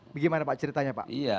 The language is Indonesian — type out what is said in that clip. bagaimana pak ceritanya pak